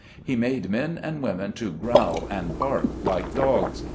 He made men and women to growl and bark like clogs.